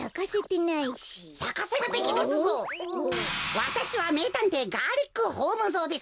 わたしはめいたんていガーリックホームゾーです。